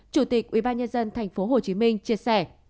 chủ tịch ubnd tp hcm chia sẻ